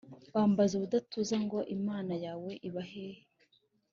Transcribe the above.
bambaza ubudatuza ngo imana yawe iba hehe